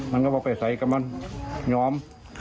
มันก็บอกไปใส่กับมันยอม